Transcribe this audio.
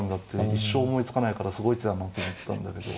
一生思いつかないからすごい手だなと思ったんだけど。